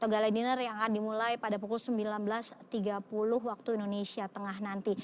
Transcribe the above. gala dinner yang akan dimulai pada pukul sembilan belas tiga puluh waktu indonesia tengah nanti